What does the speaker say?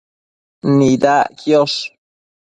Nidac quiosh